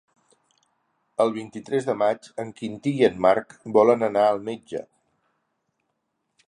El vint-i-tres de maig en Quintí i en Marc volen anar al metge.